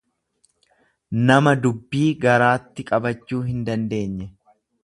nama dubbii garaatti qabachuu hindandeenye.